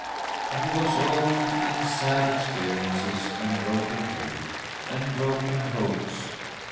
But he was old in sad experiences, and broken health, and broken hopes.